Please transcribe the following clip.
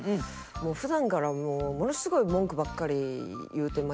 普段からもうものすごい文句ばっかり言うてまいまして。